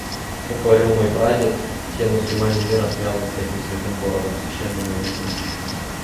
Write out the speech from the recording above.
Как говорил мой прадед, все мусульмане мира связаны с этим святым городом священными узами.